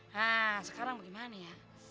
nah sekarang bagaimana ya